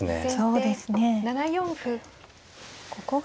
そうですね。